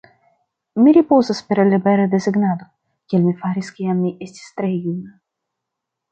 "Mi ripozos per libera desegnado, kiel mi faris kiam mi estis tre juna."